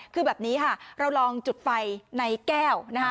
คือแบบนี้เราลองจุดไฟในแก้ว